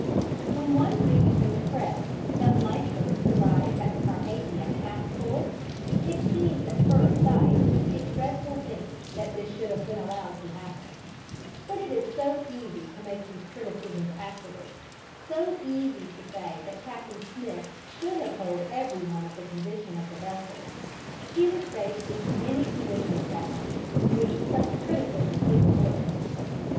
When one reads in the Press that lifeboats arrived at the Carpathia half full, it seems at first sight a dreadful thing that this should have been allowed to happen; but it is so easy to make these criticisms afterwards, so easy to say that Captain Smith should have told everyone of the condition of the vessel. He was faced with many conditions that night which such criticism overlooks.